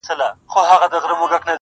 دښمن هغه دی چي په توره شپه کي واری کوي